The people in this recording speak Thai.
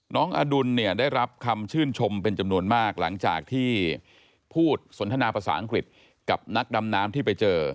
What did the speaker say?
อดุลเนี่ยได้รับคำชื่นชมเป็นจำนวนมากหลังจากที่พูดสนทนาภาษาอังกฤษกับนักดำน้ำที่ไปเจอ